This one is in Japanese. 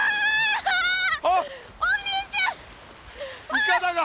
いかだが。